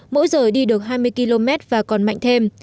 mỗi giờ đi được hai mươi km và còn mạnh thêm